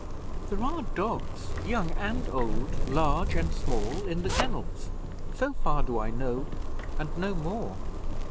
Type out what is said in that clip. "There are dogs, young and old, large and small, in the kennels; so far do I know, and no more."